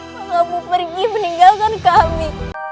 kamu pergi meninggalkan kami